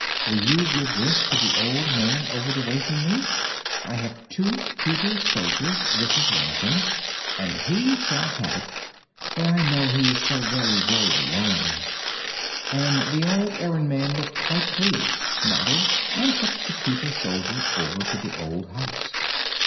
will you give this to the old man over the way from me? I have two pewter soldiers this is one of them, and he shall have it, for I know he is so very, very lonely." And the old errand man looked quite pleased, nodded, and took the pewter soldier over to the old house.